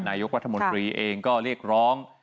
นายกรัฐมนตรีเองก็เรียกร้อง